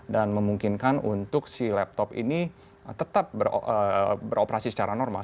dan memungkinkan untuk si laptop ini tetap beroperasi secara normal